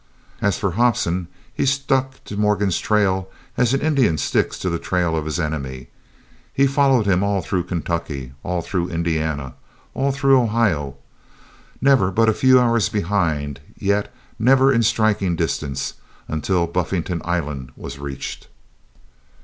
As for Hobson, he stuck to Morgan's trail as an Indian sticks to the trail of his enemy. He followed him all through Kentucky, all through Indiana, all through Ohio, never but a few hours behind, yet never in striking distance until Buffington Island was reached.